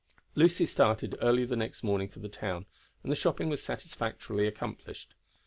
Lucy started early the next morning for the town, and the shopping was satisfactorily accomplished.